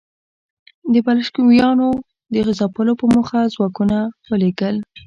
د بلشویکانو د ځپلو په موخه ځواکونه ولېږل.